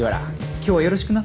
今日はよろしくな。